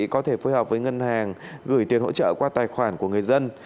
có thể phối hợp với ngân hàng gửi tiền hỗ trợ qua tài khoản của người dân